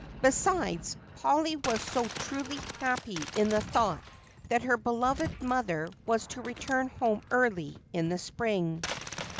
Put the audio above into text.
Besides, Polly was so truly happy in the thought that her beloved mother was to return home early in the spring.